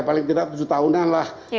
paling tidak tujuh tahunan lah